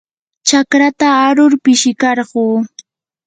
chakrata arur pishikarquu.